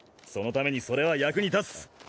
そのためにそれは役に立つ！